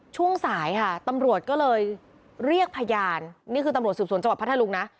ช่วงสายค่ะตำรวจก็เลยเรียกพยานนี่คือตำรวจสืบสวนจังหวัดพัทธรุงนะ